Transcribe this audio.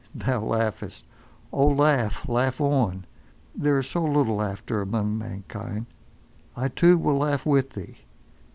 Thou laughest? Oh laugh, laugh on—there is so little of laughter among mankind. I too will laugh with thee.